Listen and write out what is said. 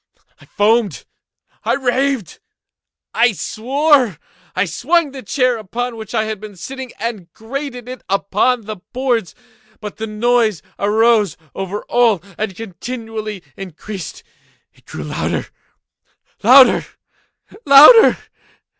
I foamed—I raved—I swore! I swung the chair upon which I had been sitting, and grated it upon the boards, but the noise arose over all and continually increased. It grew louder—louder—louder!